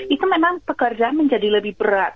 itu memang pekerjaan menjadi lebih berat